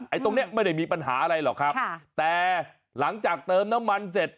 ตรงเนี้ยไม่ได้มีปัญหาอะไรหรอกครับค่ะแต่หลังจากเติมน้ำมันเสร็จ